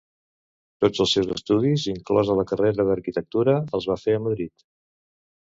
Tots els seus estudis, inclosa la carrera d'Arquitectura, els va fer a Madrid.